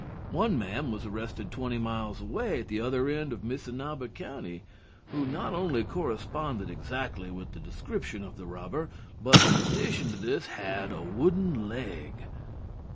One man was arrested twenty miles away, at the other end of Missinaba county, who not only corresponded exactly with the description of the robber, but, in addition to this, had a wooden leg.